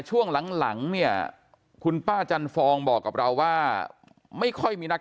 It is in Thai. ช่วงหลังเนี่ยคุณป้าจันฟองบอกกับเราว่าไม่ค่อยมีนัก